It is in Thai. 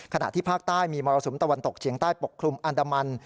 ขณะที่ภาคใต้มีมรสุมตะวันตกเฉียงใต้ปกคลุมอันดามัน